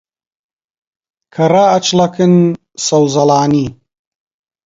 کە ڕائەچڵەکن سەوزەڵانی